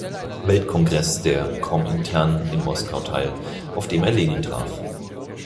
Weltkongress der Komintern in Moskau teil, auf dem er Lenin traf.